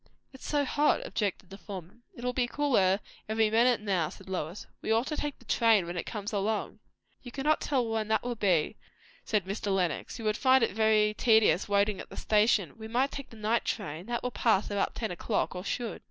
"It's so hot!" objected the former. "It will be cooler every minute now," said Lois. "We ought to take the train when it comes along " "You cannot tell when that will be," said Mr. Lenox. "You would find it very tedious waiting at the station. We might take the night train. That will pass about ten o'clock, or should."